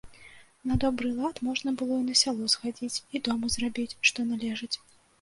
На добры лад, можна было і на сяло схадзіць і дома зрабіць, што належыць.